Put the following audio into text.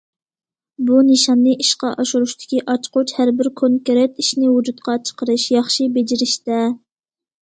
بۇ نىشاننى ئىشقا ئاشۇرۇشتىكى ئاچقۇچ ھەربىر كونكرېت ئىشنى ۋۇجۇدقا چىقىرىش، ياخشى بېجىرىشتە.